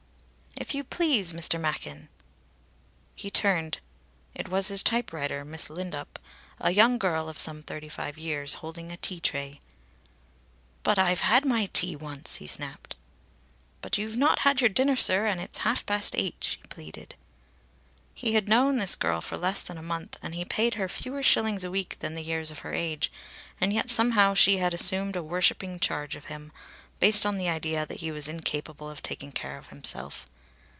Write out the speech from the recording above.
"If you please, Mr. Machin " He turned. It was his typewriter, Miss Lindop, a young girl of some thirty five years, holding a tea tray. "But I've had my tea once!" he snapped. "But you've not had your dinner, sir, and it's half past eight!" she pleaded. He had known this girl for less than a month and he paid her fewer shillings a week than the years of her age, and yet somehow she had assumed a worshipping charge of him, based on the idea that he was incapable of taking care of himself.